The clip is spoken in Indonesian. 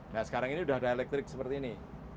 nah sekarang ini sudah ada elektrik seperti ini